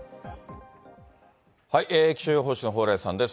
気象予報士の蓬莱さんです。